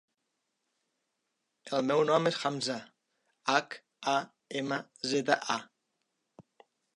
El meu nom és Hamza: hac, a, ema, zeta, a.